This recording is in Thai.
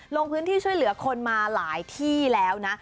ลงพื้นที่ช่วยเหลือคนมาหลายที่แล้วนะ